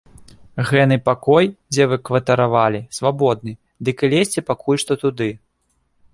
Гэны пакой, дзе вы кватаравалі, свабодны, дык і лезьце пакуль што туды.